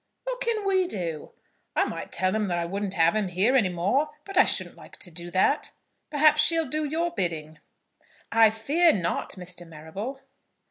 "What can we do? I might tell him that I wouldn't have him here any more, but I shouldn't like to do that. Perhaps she'll do your bidding." "I fear not, Mr. Marrable."